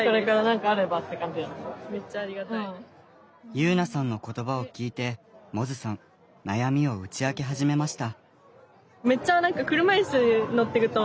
結菜さんの言葉を聞いて百舌さん悩みを打ち明け始めました。